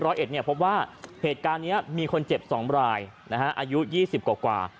พบว่าเหตุการณ์นี้มีคนเจ็บ๒รายอายุ๒๐กว่า